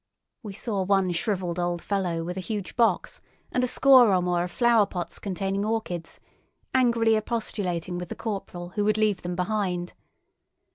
We saw one shrivelled old fellow with a huge box and a score or more of flower pots containing orchids, angrily expostulating with the corporal who would leave them behind.